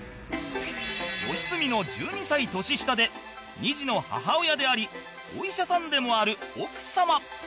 良純の１２歳年下で２児の母親でありお医者さんでもある奥様